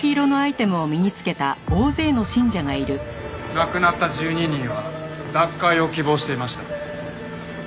亡くなった１２人は脱会を希望していました。